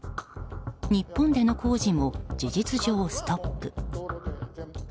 日本での工事も事実上ストップ。